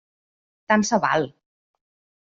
Tant se val!